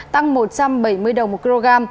tăng một trăm bảy mươi đồng một kg